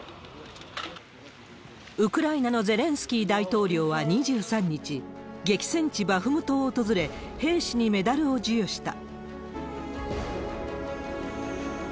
ウクライナのゼレンスキー大統領は２３日、激戦地バフムトを訪れ、兵士にメダルを授与した。